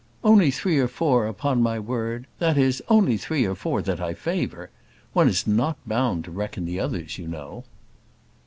"Only three or four, upon my word; that is, only three or four that I favour. One is not bound to reckon the others, you know."